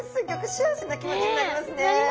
幸せな気持ちになりますね。